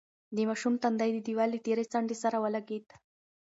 د ماشوم تندی د دېوال له تېرې څنډې سره ولگېد.